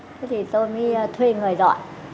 thế thì tôi mới thuê người dọn